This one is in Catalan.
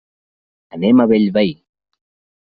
Anem a Bellvei.